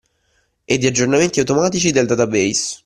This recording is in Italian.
E di aggiornamenti automatici del database.